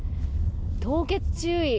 凍結注意。